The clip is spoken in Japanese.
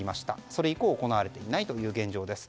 それ以降行われていないという現状です。